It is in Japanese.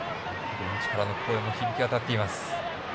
ベンチからの声も響き渡っています。